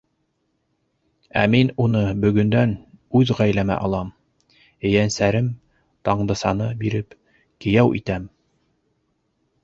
Ә мин уны бөгөндән үҙ ғаиләмә алам: ейәнсәрем Таңдысаны биреп, кейәү итәм!